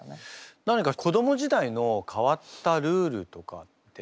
何か子ども時代の変わったルールとかって？